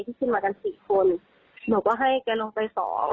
ที่ขึ้นมากัน๔คนหนูก็ให้เกี๊ยวลงไป๒